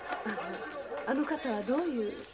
あのあの方はどういう。